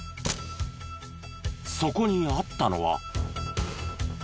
そこにあったのは。